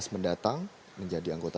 mendatang menjadi anggota